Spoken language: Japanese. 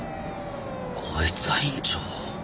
こいつが院長を。